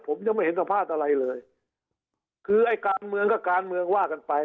ผมยังไม่เห็นสัมภาษณ์อะไรเลยคือไอ้การเมืองก็การเมืองว่ากันไป